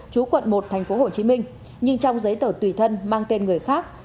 chú quận một tp hcm nhưng trong giấy tờ tùy thân mang tên người khác